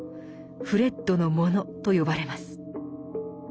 「フレッドのモノ」と呼ばれます。